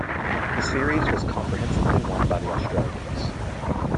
The series was comprehensively won by the Australians.